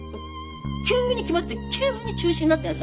急に決まって急に中止になったんやさ。